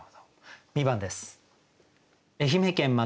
２番です。